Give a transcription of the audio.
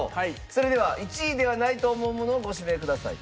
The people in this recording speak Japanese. それでは１位ではないと思うものをご指名ください。